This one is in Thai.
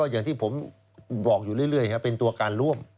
อย่างที่ผมบอกอยู่เรื่อยเป็นตัวการร่วม